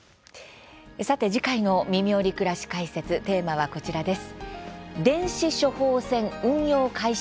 さて次回の「みみより！くらし解説」テーマは、こちらです。